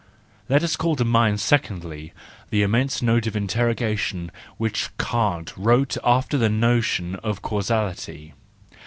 Let us call to mind secondly, the immense note of interrogation which Kant wrote after the notion of causality.